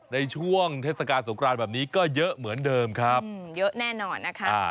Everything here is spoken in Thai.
ในช่วงเทศกาลสงครานแบบนี้ก็เยอะเหมือนเดิมครับเยอะแน่นอนนะคะ